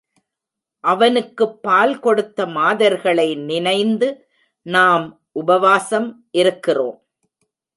அவனுக்குப் பால் கொடுத்த மாதர்களை நினைந்து நாம் உபவாசம் இருக்கிறோம்.